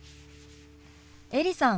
エリさん